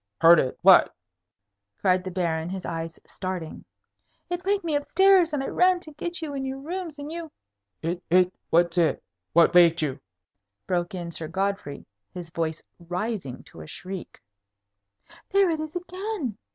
"Heard it? What?" cried the Baron, his eyes starting. "It waked me up stairs, and I ran to get you in your room, and you " "It it? What's it? What waked you?" broke in Sir Godfrey, his voice rising to a shriek. "There it is again!"